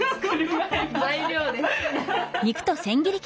材料です。